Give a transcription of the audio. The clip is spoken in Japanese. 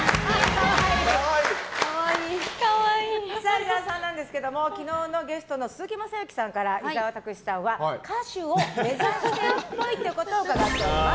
伊沢さんなんですが昨日のゲストの鈴木雅之さんから伊沢拓司さんは歌手を目指してるっぽいということを伺っております。